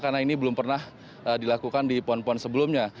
karena ini belum pernah dilakukan di pon pon sebelumnya